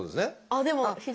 あっでも左。